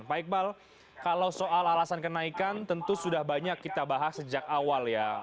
pak iqbal kalau soal alasan kenaikan tentu sudah banyak kita bahas sejak awal ya